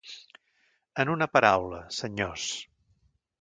En una paraula, senyors